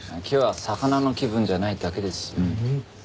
今日は魚の気分じゃないだけです。